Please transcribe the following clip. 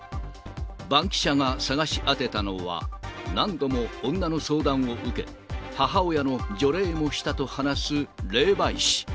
バンキシャが探し当てたのは、何度も女の相談を受け、母親の除霊もしたと話す霊媒師。